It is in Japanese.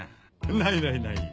ないないない。